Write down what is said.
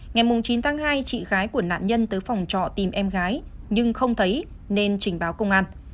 ngày chín tháng hai chị gái của nạn nhân tới phòng trọ tìm em gái nhưng không thấy nên trình báo công an